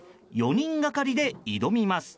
４人がかりで挑みます。